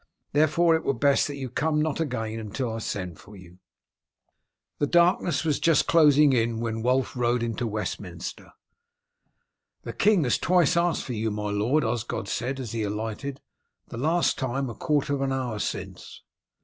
Therefore, it were best that you come not again until I send for you." The darkness was just closing in when Wulf rode into Westminster. "The king has twice asked for you, my lord," Osgod said, as he alighted. "The last time a quarter of an hour since."